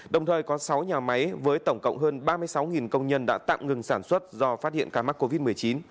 đồng thời có sáu nhà máy với tổng cộng hơn ba mươi sáu công nhân đã tạm ngừng sản xuất do phát hiện ca mắc covid một mươi chín